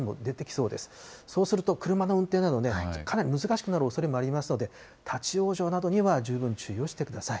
そうすると、車の運転などね、かなり難しくなるおそれもありますので、立往生などには十分注意をしてください。